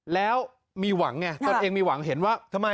แล้วมีหวังไงตนเองมีหวังเห็นว่าทำไม